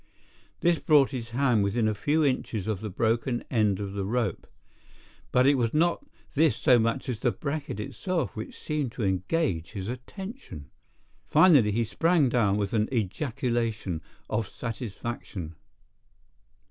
This brought his hand within a few inches of the broken end of the rope, but it was not this so much as the bracket itself which seemed to engage his attention. Finally, he sprang down with an ejaculation of satisfaction.